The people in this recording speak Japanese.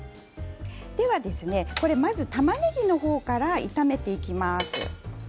では、まず、たまねぎから炒めていきます。